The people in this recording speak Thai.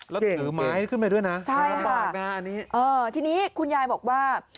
แล้วก็ถือไม้ขึ้นไปด้วยนะใช่ลำบากนะอันนี้เออทีนี้คุณยายบอกว่า